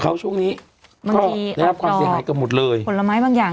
เขาช่วงนี้บางทีแล้วความเสียหายก็หมดเลยผลไม้บางอย่าง